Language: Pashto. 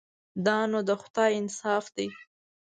دا نو د خدای انصاف دی.